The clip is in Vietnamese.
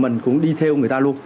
mình cũng đi theo người ta luôn